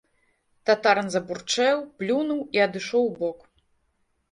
Татарын забурчэў, плюнуў і адышоў убок.